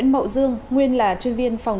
thưa quý vị công an huyện di linh tỉnh lâm đồng